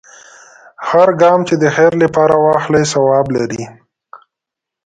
هر ګام چې د خیر لپاره واخلې، ثواب لري.